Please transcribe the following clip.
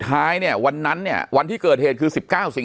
ปากกับภาคภูมิ